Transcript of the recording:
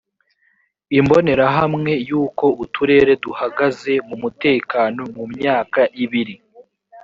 imbonerahamwe y’uko uturere duhagaze mu mutekano mu myaka ibiri